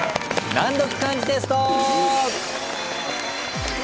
難読漢字テスト！